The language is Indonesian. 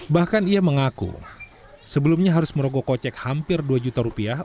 bahkan ia mengaku sebelumnya harus merogoh kocek hampir dua juta rupiah